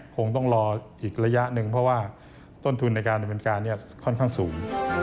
คงต้องรออีกระยะหนึ่งเพราะว่าต้นทุนในการดำเนินการค่อนข้างสูง